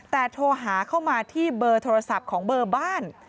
แต่โทรหาเข้ามาที่เบอร์โทรศัพท์ของเบอร์บ้าน